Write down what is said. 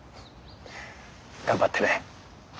頑張ってね。